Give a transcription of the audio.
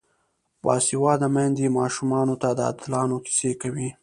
باسواده میندې ماشومانو ته د اتلانو کیسې کوي.